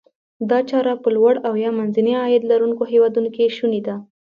دا چاره په لوړ او یا منځني عاید لرونکو هیوادونو کې شوني ده.